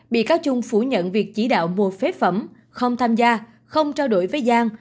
bị cáo trung phủ nhận việc chỉ đạo mua phế phẩm không tham gia không trao đổi với giang